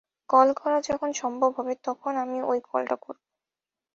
Call করা যখন সম্ভব হবে তখন আমি ওই কলটা করব।